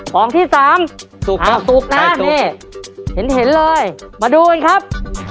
ของที่สามสุกครับสุกนะนี่เห็นเลยมาดูกันครับ